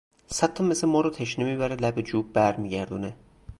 صد تا مث مارو تشنه می بره لب جوب بر میگردونه